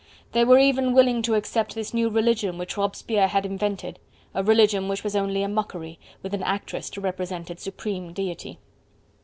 They were even willing to accept this new religion which Robespierre had invented: a religion which was only a mockery, with an actress to represent its supreme deity.